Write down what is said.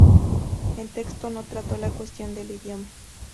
El texto no trató la cuestión del idioma.